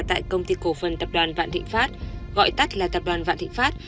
tại công ty cổ phần tập đoàn vạn tịnh pháp gọi tắt là tập đoàn vạn tịnh pháp